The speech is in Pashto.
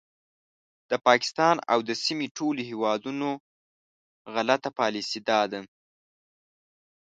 د پاکستان او د سیمې ټولو هیوادونو غلطه پالیسي دا ده